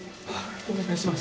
お願いします。